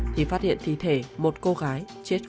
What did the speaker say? thì phát hiện thi thể một cô gái chết khô bên trong